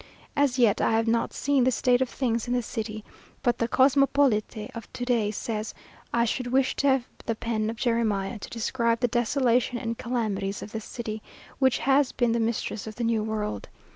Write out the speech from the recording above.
As yet, I have not seen the state of things in the city, but the "Cosmopolite" of to day says "I should wish to have the pen of Jeremiah, to describe the desolation and calamities of this city, which has been the mistress of the new world.